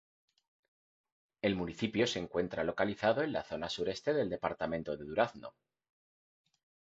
El municipio se encuentra localizado en la zona sureste del departamento de Durazno.